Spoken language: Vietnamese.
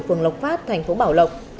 phường lộc phát thành phố bảo lộc